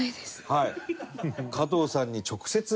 はい。